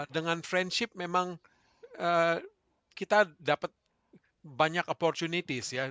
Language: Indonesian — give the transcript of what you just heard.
dengan friendship memang kita dapat banyak opportunities